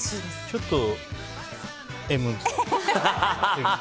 ちょっとＭ？